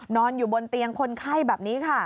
นอนอยู่บนเตียงคนไข้แบบนี้ค่ะ